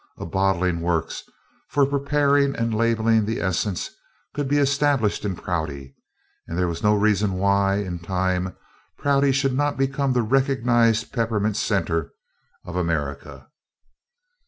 A bottling works for preparing and labeling the essence could be established in Prouty, and there was no reason why, in time, Prouty should not become the recognized peppermint center of America.